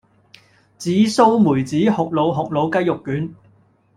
紫蘇梅子酷魯酷魯雞肉卷